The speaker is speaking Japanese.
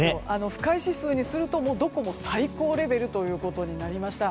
不快指数にするとどこも最高レベルということになりました。